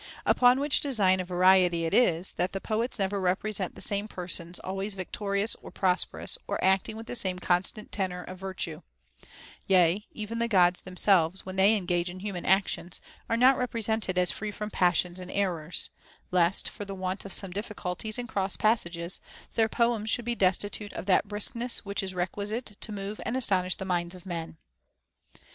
Upon which design of variety it is, that the poets never represent the same persons always victorious or prosperous or acting with the same constant tenor of vir tue ;— yea, even the Gods themselves, when they engage in human actions, are not represented as free from passions and errors ;— lest, for the want of some difficulties and cross passages, their poems should be destitute of that briskness which is requisite to move and astonish the minds of men.